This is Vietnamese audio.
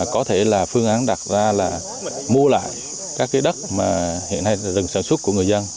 có thể là phương án đặt ra là mua lại các cái đất mà hiện nay là rừng sản xuất của người dân